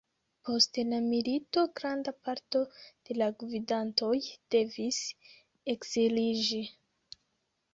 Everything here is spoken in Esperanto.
Post la milito granda parto de la gvidantoj devis ekziliĝi.